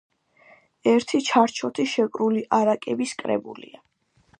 ერთი ჩარჩოთი შეკრული არაკების კრებულია.